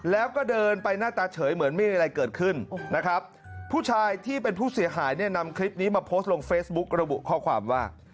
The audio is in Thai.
แล้วก็เดินไปหน้าตาเฉยเหมือนไม่มีอะไรเกิดขึ้นนะครับผู้ชายที่เป็นผู้เสียหายเนี่ยนำคลิปนี้มาโพสต์ลงเฟซบุ๊กระบุข้อความว่า